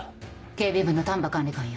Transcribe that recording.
警備部の丹波管理官よ。